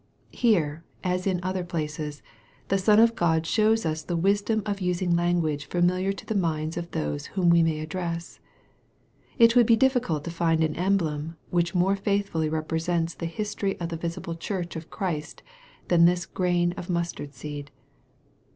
Here, as in other places, the Son of God shows us the wisdom of using language familiar to the minds of those whom we may address. It would he difficult to find an emblem which more faithfully represents the history of the visible church of Christ than this grain of mustard seed.